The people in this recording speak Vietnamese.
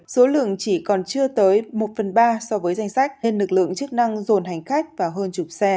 số lượng chỉ còn chưa tới một phần ba so với danh sách nên lực lượng chức năng dồn hành khách vào hơn chục xe